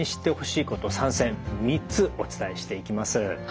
３つお伝えしていきます。